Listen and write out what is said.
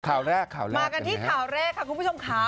ข่าวแรกเป็นไหมครับมากันที่ข่าวแรกค่ะคุณผู้ชมค่ะ